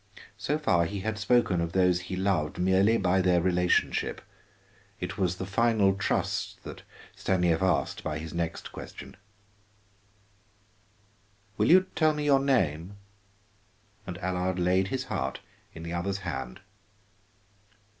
So far he had spoken of those he loved merely by their relationship. It was the final trust that Stanief asked by his next question: "Will you tell me your name?" And Allard laid his heart in the other's hand.